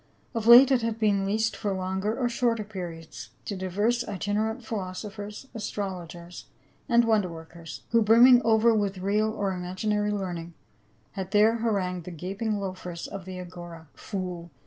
Of late it had been leased for longer or shorter periods to divers itinerant philosophers, astrologers and wonder workers, who brimming over with real or imaginar)^ learning had there harangued the gaping loafers of the Agora. " Fool